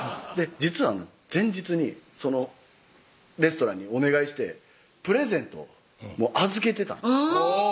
実は前日にレストランにお願いしてプレゼント預けてたんですおぉ！